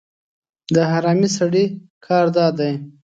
د حرامي سړي کار دا دی